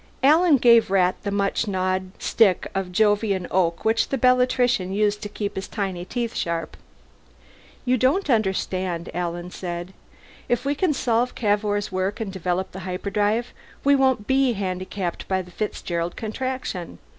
Alan gave Rat the much gnawed stick of Jovian oak which the Bellatrician used to keep his tiny teeth sharp. "You don't understand," Alan said. "If we can solve Cavour's work and develop the hyperdrive, we won't be handicapped by the Fitzgerald Contraction.